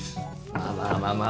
まあまあまあまあ。